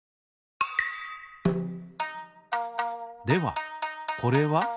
ではこれは？